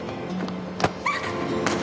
あっ！